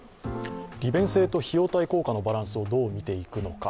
利便性と費用対効果のバランスをどう見ていくのか。